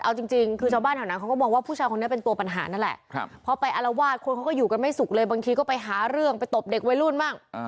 เอาจริงคือเช้าบ้านแถวนั้นเขาก็บอกว่าผู้ชายคนนี้เป็นตัวปัญหานั่นแหละ